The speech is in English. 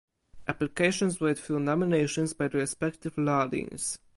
Applications were through nominations by the respective Law Deans.